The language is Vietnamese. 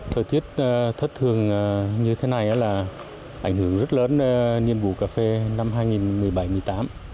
thời tiết thất thường như thế này là ảnh hưởng rất lớn nhiên vụ cà phê năm hai nghìn một mươi bảy một mươi tám